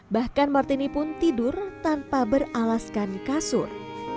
bahkan martini pun tidur tanpa beralaskan kasur